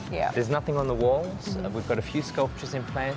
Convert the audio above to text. tidak ada apa apa di dinding kita memiliki beberapa pembentukan di tempat ini